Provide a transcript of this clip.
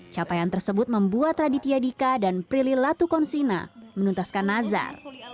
capaian tersebut membuat raditya dika dan prilly latukonsina menuntaskan nazar